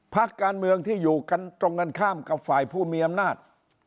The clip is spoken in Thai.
พักการเมืองที่อยู่กันตรงกันข้ามกับฝ่ายผู้มีอำนาจ